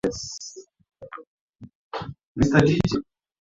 hapo hapa jijini hapa tanzania